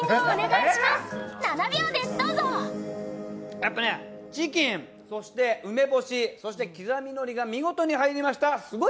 やっぱね、チキン、そして梅干し、そして刻みのりが見事に入りましたすごい！！